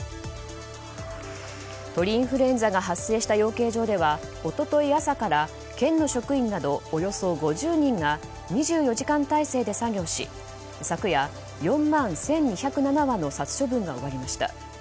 鳥インフルエンザが発生した養鶏場では一昨日朝から、県の職員などおよそ５０人が２４時間態勢で作業し昨夜、４万１２０７羽の殺処分が終わりました。